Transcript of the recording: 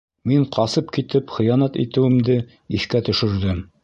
Мин ҡасып китеп хыянат итеүемде иҫкә төшөрҙөм.